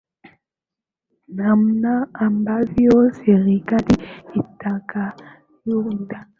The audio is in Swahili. namna ambavyo serikali itakayoundwa